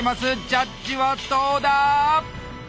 ジャッジはどうだ！